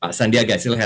pak sandiaga silahkan